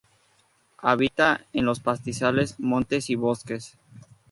Habita en los pastizales, montes y bosques.